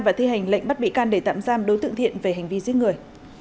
và thi hành lệnh bắt bị can để tạm giam đối tượng thiện về hành vi giết người